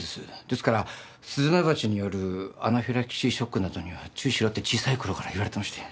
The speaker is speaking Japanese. ですからスズメバチによるアナフィラキシーショックなどには注意しろって小さい頃から言われてまして。